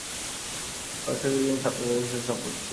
College থেকেই তিনি ছাত্র রাজনীতির সাথে সম্পৃক্ত ছিলেন।